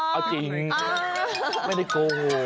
เอาจริงไม่ได้โกหก